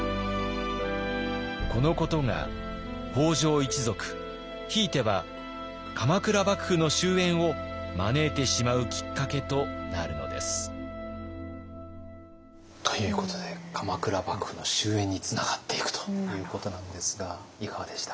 このことが北条一族ひいては鎌倉幕府の終えんを招いてしまうきっかけとなるのです。ということで鎌倉幕府の終えんにつながっていくということなんですがいかがでした？